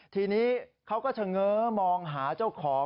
ทีนี้เขาก็เฉง้อมองหาเจ้าของ